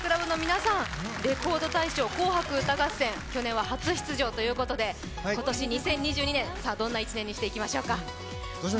ＡｗｅｓｏｍｅＣｉｔｙＣｌｕｂの皆さん「レコード大賞」「紅白歌合戦」去年は初出場ということで２０２２年、どんな１年にしていきましょうか。